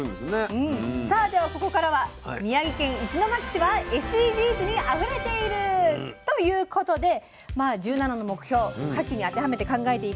さあではここからは宮城県石巻市はＳＤＧｓにあふれている⁉ということでまあ１７の目標かきに当てはめて考えていこうと思います。